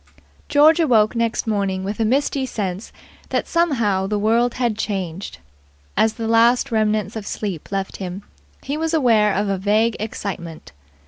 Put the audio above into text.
George awoke next morning with a misty sense that somehow the world had changed. As the last remnants of sleep left him, he was aware of a vague excitement.